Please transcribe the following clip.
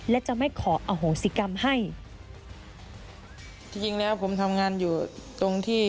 และจะไม่ขออโหสิกรรมให้